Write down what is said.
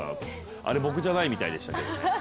あれ僕じゃないみたいでしたけどね。